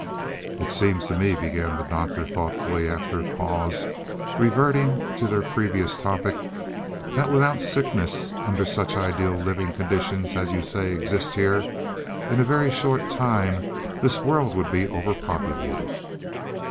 "It seems to me," began the Doctor thoughtfully after a pause, reverting to their previous topic, "that without sickness, under such ideal living conditions as you say exist here, in a very short time this world would be over populated."